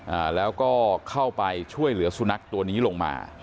อ่าแล้วก็เข้าไปช่วยเหลือสุนัขตัวนี้ลงมา